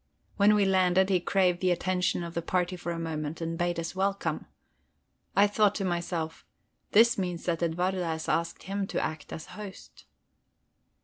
When we landed, he craved the attention of the party for a moment, and bade us welcome. I thought to myself: This means that Edwarda has asked him to act as host.